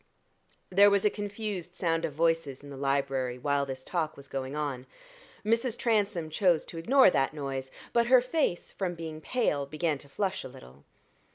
There was a confused sound of voices in the library while this talk was going on. Mrs. Transome chose to ignore that noise, but her face, from being pale, began to flush a little.